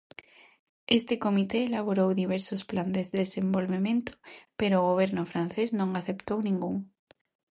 Este comité elaborou diversos plans de desenvolvemento, pero o goberno francés non aceptou ningún.